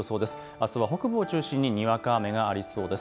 あすは北部を中心ににわか雨がありそうです。